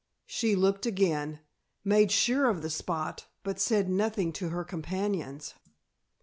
She looked again, made sure of the spot, but said nothing to her companions.